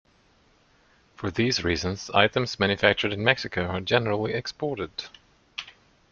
For these reasons, items manufactured in Mexico are generally exported.